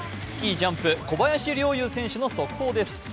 スキー・ジャンプ小林陵侑選手の速報です。